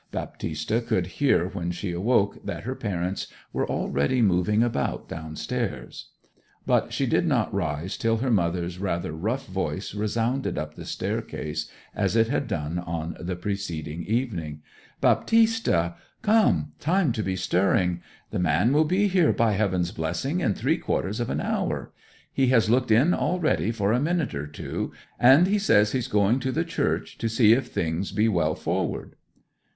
Baptista could hear when she awoke that her parents were already moving about downstairs. But she did not rise till her mother's rather rough voice resounded up the staircase as it had done on the preceding evening. 'Baptista! Come, time to be stirring! The man will be here, by heaven's blessing, in three quarters of an hour. He has looked in already for a minute or two and says he's going to the church to see if things be well forward.'